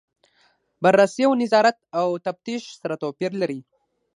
بررسي او نظارت او تفتیش سره توپیر لري.